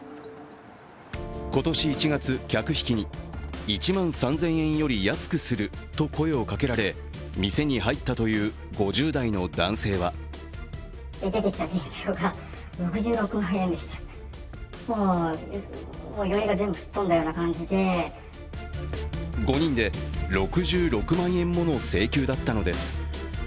今年１月客引きに１万３０００円より安くすると声をかけられ店に入ったという５０代の男性は５人で６６万円もの請求だったのです。